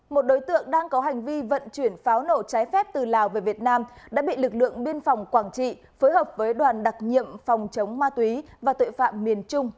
một đối tượng đang có hành vi vận chuyển pháo nổ trái phép từ lào về việt nam đã bị lực lượng biên phòng quảng trị phối hợp với đoàn đặc nhiệm phòng chống ma túy và tội phạm miền trung